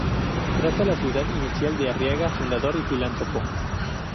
Traza la ciudad inicial de Arriaga, fundador y filántropo.